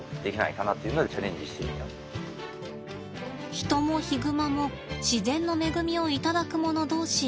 ヒトもヒグマも自然の恵みを頂くもの同士。